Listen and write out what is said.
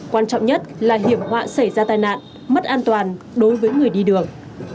quan trọng nhất là hiểm họa xảy ra tai nạn mất an toàn đối với người đi đường